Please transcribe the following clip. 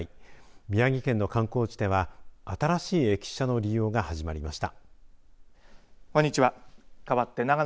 宮城県の観光地では新しい駅舎の利用が始まりました。